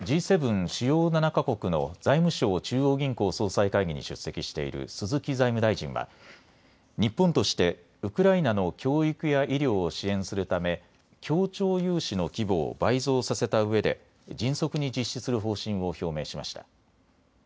主要７か国の財務相・中央銀行総裁会議に出席している鈴木財務大臣は日本としてウクライナの教育や医療を支援するため協調融資の規模を倍増させたうえで迅速に実施する方針を表明しました。